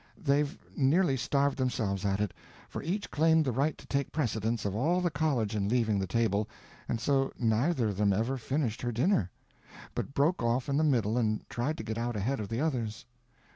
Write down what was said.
They've nearly starved themselves at it; for each claimed the right to take precedence of all the college in leaving the table, and so neither of them ever finished her dinner, but broke off in the middle and tried to get out ahead of the others.